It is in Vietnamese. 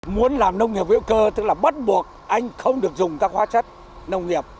muốn làm nông nghiệp hữu cơ tức là bắt buộc anh không được dùng các hóa chất nông nghiệp